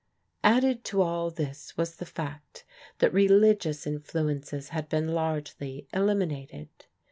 Added to all this was the fact that religious influences had been largely eliminated.